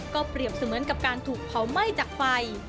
เปรียบเสมือนกับการถูกเผาไหม้จากไฟ